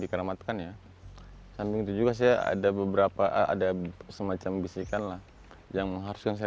dikeramatkannya sambil juga saya ada beberapa ada semacam bisikan lah yang mengharuskan saya